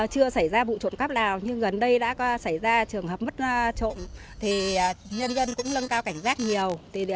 thật ra vụ trộm cắp nào như gần đây đã xảy ra trường hợp mất trộm thì nhân dân cũng nâng cao cảnh giác nhiều